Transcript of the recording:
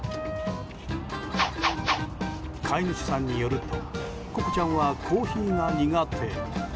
飼い主さんによるとココちゃんはコーヒーが苦手。